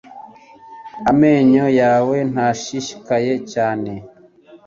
Amenyo yawe ntabwo ashishikaye cyane